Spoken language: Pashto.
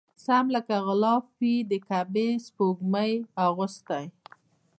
سم لکه غلاف وي د کعبې سپوږمۍ اغوستی